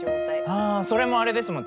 はあそれもあれですもんね。